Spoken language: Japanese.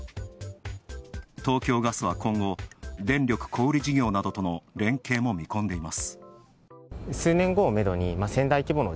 東京ガスは今後、電力小売事業との連携も見込んでいます。